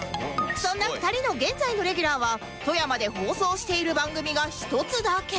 そんな２人の現在のレギュラーは富山で放送している番組が１つだけ